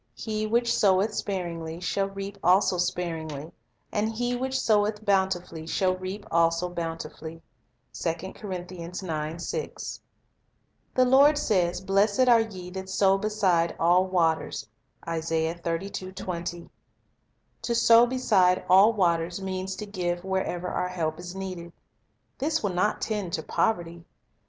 "He which soweth sparingly shall reap also sparingly; and he "Freeiy which soweth bountifully shall reap also bountifully." 3 The Lord says, "Blessed are ye that sow beside all waters." 4 To sow beside all waters means to give wherever our help is needed. This will not tend to poverty.